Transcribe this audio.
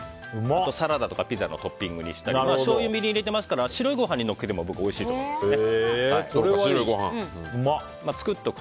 あと、サラダとかピザのトッピングにしたりとかしょうゆ、みりん入れていますから白いご飯にのっけても僕はおいしいと思いますね。